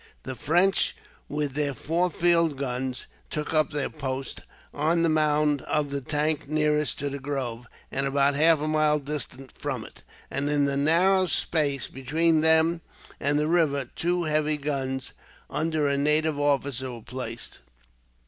The French, with their four field guns, took up their post on the mound of the tank nearest to the grove, and about half a mile distant from it; and in the narrow space between them and the river two heavy guns, under a native officer, were placed.